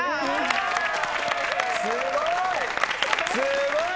すごい！